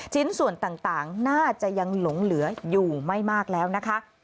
ชิ้นส่วนต่างน่าจะยังหลงเหลืออยู่ไม่มากแล้วนะคะ